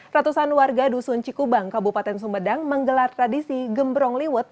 ratusan warga dusun cikubang kabupaten sumedang menggelar tradisi gembrong liwet